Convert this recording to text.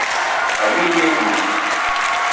Amiyie njugu?